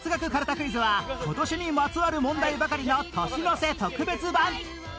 クイズは今年にまつわる問題ばかりの年の瀬特別版